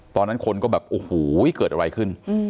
ตอนนั้นคนก็แบบโอ้โหเกิดอะไรขึ้น